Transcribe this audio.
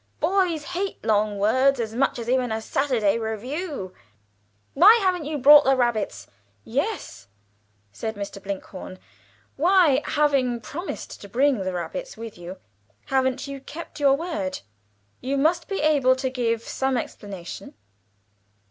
(Boys hate long words as much as even a Saturday Reviewer.) "Why haven't you brought the rabbits?" "Yes," said Mr. Blinkhorn. "Why, having promised to bring the rabbits with you, haven't you kept your word? You must be able to give some explanation."